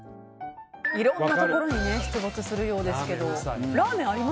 いろんなところに出没するようですけども。